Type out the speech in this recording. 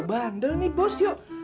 bandel nih bos yuk